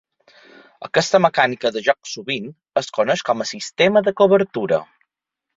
Aquesta mecànica de joc sovint es coneix com a "sistema de cobertura".